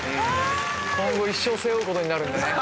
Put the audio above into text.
今後一生、背負う事になるんだね。